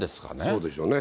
そうでしょうね。